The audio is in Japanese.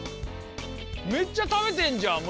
めっちゃ食べてんじゃん！